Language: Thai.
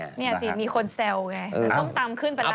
ไอ้ส้มตำขึ้นเป็นแล้ว